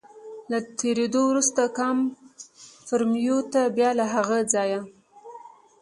له تېرېدو وروسته کاموفورمیو ته، بیا له هغه ځایه.